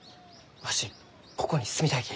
わしここに住みたいき。